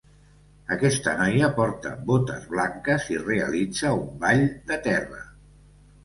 Aquesta noia porta botes blanques i realitza un ball de terra